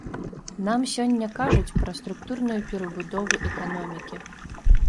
Нам сёння кажуць пра структурную перабудову эканомікі.